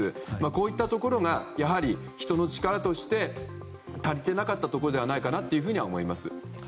こういったところがやはり、人の力として足りていなかったところではないかと思います。